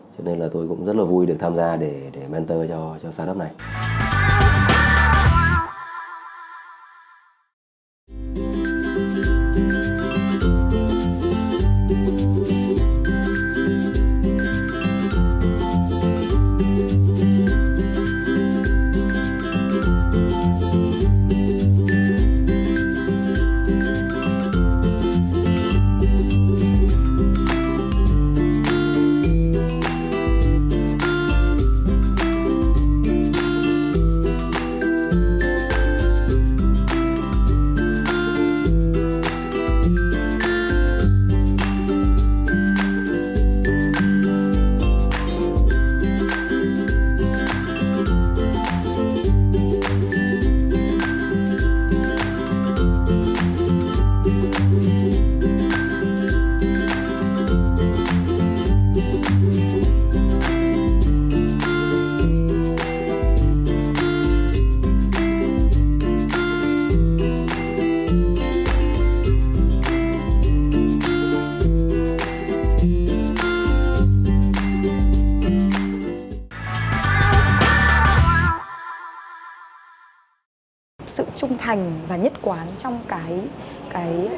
cho nên là tôi cũng rất là vui được tham gia để mentor cho sáng lập này